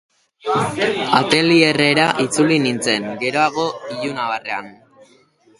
Atelierrera itzuli nintzen, geroago, ilunabarrean.